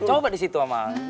coba di situ amal